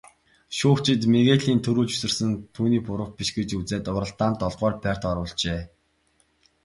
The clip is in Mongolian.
Шүүгчид Мигелийн түрүүлж үсэрсэн нь түүний буруу биш гэж үзээд уралдаанд долдугаарт байрт оруулжээ.